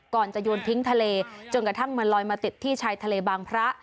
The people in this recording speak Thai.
ก่อนจะโยนทิ้งทะเลจนกระทั่งมันลอยมาติดที่ชายทะเลบางพระ